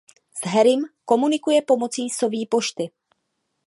S Harrym komunikuje pomocí soví pošty.